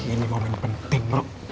ini momen penting bro